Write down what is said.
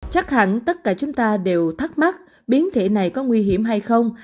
chắc hẳn tất cả chúng ta đều thắc mắc biến thể này có nguy hiểm hay không